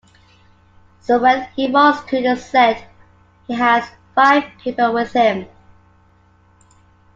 So when he walks to the set he has five people with him.